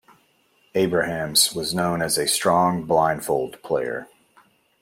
Abrahams was known as a strong blindfold player.